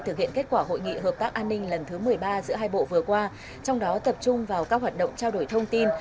thực hiện kết quả hội nghị hợp tác an ninh lần thứ một mươi ba giữa hai bộ vừa qua trong đó tập trung vào các hoạt động trao đổi thông tin